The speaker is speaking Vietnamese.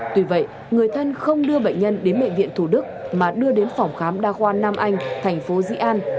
tuy vậy người thân không đưa bệnh nhân đến bệnh viện thủ đức mà đưa đến phòng khám đa khoa nam anh thành phố dĩ an